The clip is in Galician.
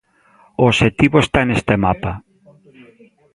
O obxectivo está neste mapa.